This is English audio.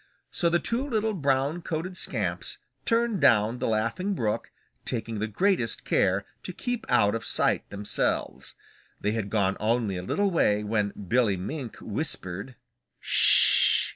So the two little brown coated scamps turned down the Laughing Brook, taking the greatest care to keep out of sight themselves. They had gone only a little way when Billy Mink whispered: "Sh h!